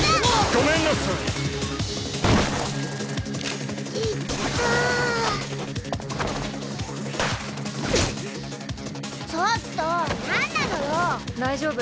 ごめんなさいいったぁちょっと何なのよ大丈夫？